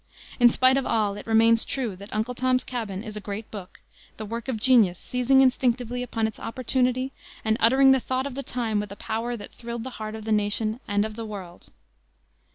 In spite of all it remains true that Uncle Tom's Cabin is a great book, the work of genius seizing instinctively upon its opportunity and uttering the thought of the time with a power that thrilled the heart of the nation and of the world.